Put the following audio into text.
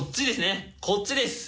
こっちですね。